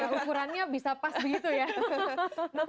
ukurannya bisa pas begitu ya